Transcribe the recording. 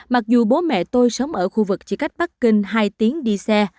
mặc dù bố mẹ tôi sống ở khu vực chỉ cách bắc kinh hai tiếng đi xe